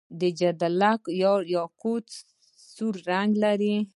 د جګدلک یاقوت سور رنګ لري.